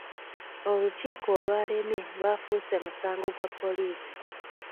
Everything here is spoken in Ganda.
Olukiiko olwalemye lwafuuse musango gwa poliisi.